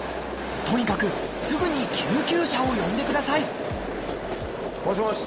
とにかくすぐに救急車を呼んでくださいもしもし。